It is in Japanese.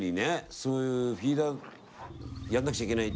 そういうフィーダーやんなくちゃいけないって